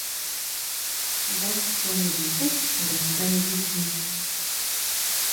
Nda chon ndinyá nga tsanguijin.